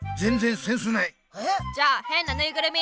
じゃあ「へんなぬいぐるみ」。